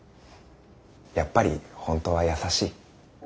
やっぱり本当は優しい。